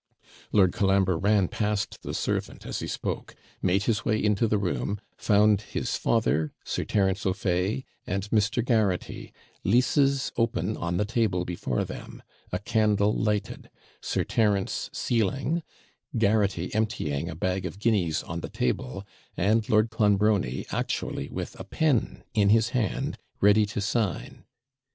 Lord Colambre ran past the servant, as he spoke made his way into the room found his father, Sir Terence O'Fay, and Mr. Garraghty leases open on the table before them; a candle lighted; Sir Terence sealing; Garraghty emptying a bag of guineas on the table, and Lord Clonbrony actually with a pen in his hand, ready to sign.